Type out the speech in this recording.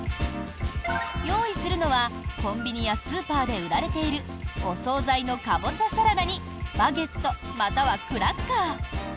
用意するのは、コンビニやスーパーで売られているお総菜のカボチャサラダにバゲット、またはクラッカー。